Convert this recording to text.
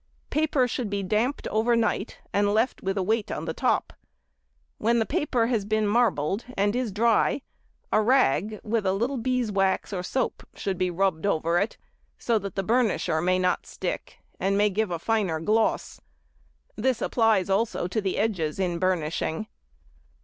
Paper should be damped over night and left with a weight on the top. When the paper has been marbled and is dry, a rag with a little bee's wax or soap should be rubbed over it, so that the burnisher may not stick, and may give a finer gloss; this applies also to the edges in burnishing.